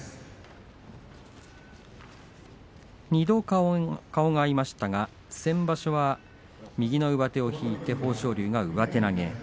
２度、顔が合いましたが先場所は右の上手を引いて豊昇龍が上手投げ。